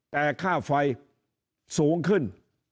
แต่ค่าไฟสูงขึ้น